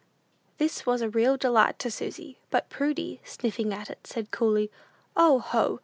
This was a real delight to Susy: but Prudy, sniffing at it, said, coolly, "O, ho!